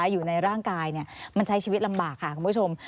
อยู่ในร่างกายมันใช้ชีวิตลำบากค่ะคุณผู้ชม